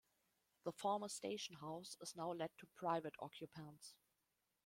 The former Station House is now let to private occupants.